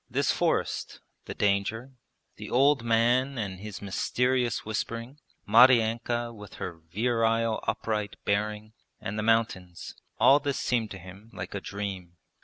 This forest, the danger, the old man and his mysterious whispering, Maryanka with her virile upright bearing, and the mountains all this seemed to him like a dream.